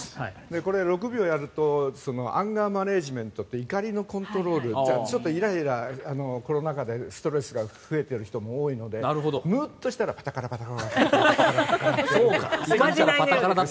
これ、６秒やるとアンガーマネジメントといって怒りのコントロールちょっとイライラコロナ禍でストレスが増えている人も多いのでむっとしたらパタカラ、パタカラ。